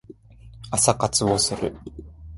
朝活をする